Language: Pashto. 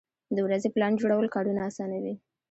د ورځې پلان جوړول کارونه اسانوي.